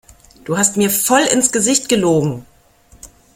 Du hast mir voll ins Gesicht gelogen!